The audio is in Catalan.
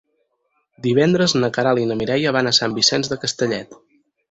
Divendres na Queralt i na Mireia van a Sant Vicenç de Castellet.